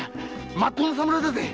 まっとうな侍だぜ。